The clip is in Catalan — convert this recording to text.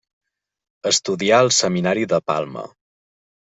Estudià al Seminari de Palma.